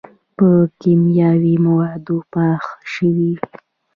پۀ کيماوي موادو پاخۀ شوي وي